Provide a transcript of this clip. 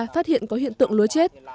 phát hiện có hiện tượng lúa chết